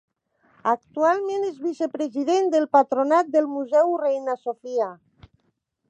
Actualment és vicepresident del Patronat del Museu Reina Sofia.